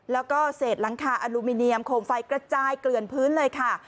แล้วก็เศษหลังคาอลูมิเนียมโคมไฟกระจายเกลื่อนพื้นเลยค่ะ